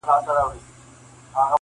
زه دي سر تر نوکه ستا بلا ګردان سم!